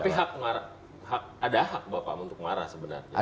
tapi ada hak bapak untuk marah sebenarnya